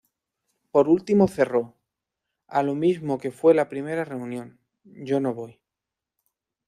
Por último cerró: “A lo mismo que fue la primera reunión, yo no voy.